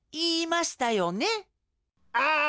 ああ！